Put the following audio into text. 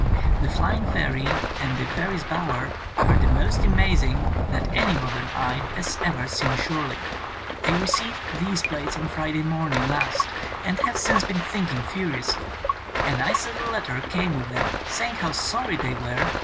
The '^Flying Fairy '^ and the ''Fairies' Bower" are the most amazing that any modern eye has ever seen surely ! I received these plates on Fri day morning last and have since been think ing furiously. A nice little letter came with them saying how sorry they were